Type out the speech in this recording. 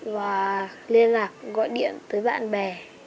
và liên lạc gọi điện tới bạn bè